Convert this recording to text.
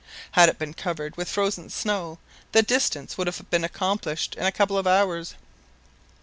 Had it been covered with frozen snow the distance would have been accomplished in a couple of hours.